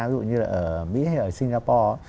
ví dụ như là ở mỹ hay ở singapore